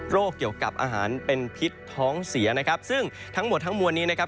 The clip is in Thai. เกี่ยวกับอาหารเป็นพิษท้องเสียนะครับซึ่งทั้งหมดทั้งมวลนี้นะครับ